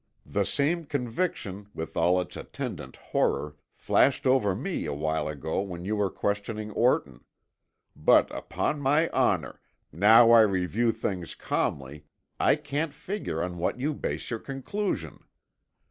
The same conviction, with all its attendant horror, flashed over me a while ago when you were questioning Orton. But, upon my honor, now I review the thing calmly, I can't figure on what you base your conclusion.